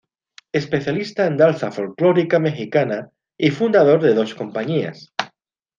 Especialista en danza folklórica mexicana y fundador de dos compañías.